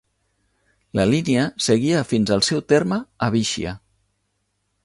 La línia seguia fins al seu terme a Bishia.